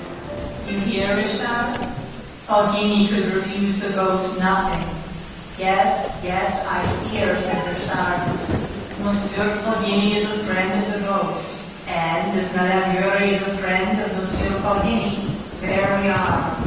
"You hear, Richard: Poligny could refuse the ghost nothing." "Yes, yes, I hear!" said Richard. "M. Poligny is a friend of the ghost; and, as Mme. Giry is a friend of M. Poligny, there we are!